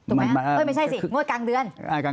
ไม่ใช่สิงวดกลางเดือน